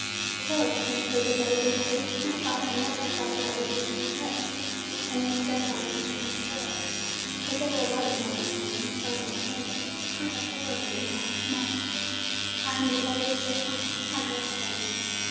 "So," concluded the little maid, "my father and mother thought that I would return rich, and instead I am returning poor. But they will love me all the same. And so will my brothers. I have four, all small. I am the oldest at home. I dress them.